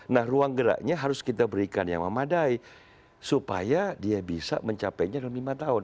nah ruang geraknya harus kita berikan yang memadai supaya dia bisa mencapainya dalam lima tahun